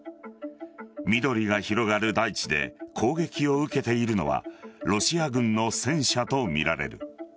緑が広がる大地で攻撃を受けているのはロシア軍の戦車とみられる。